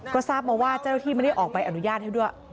ก็ทราบมาว่าเจ้าหน้าที่ไม่ได้ออกใบอนุญาตให้ด้วย